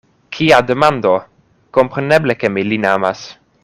Kia demando! kompreneble, ke mi lin amas.